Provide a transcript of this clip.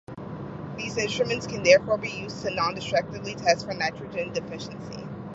These instruments can therefore be used to non-destructively test for nitrogen deficiency.